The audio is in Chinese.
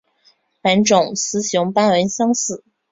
本种雌雄斑纹相似。